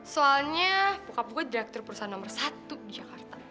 soalnya bokap gue direktur perusahaan nomor satu di jakarta